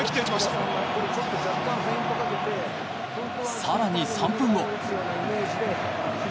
更に３分後。